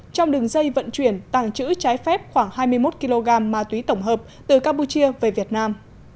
trong đường dây vận chuyển tàng trữ trái phép khoảng hai mươi một kg ma túy tổng hợp từ campuchia về việt nam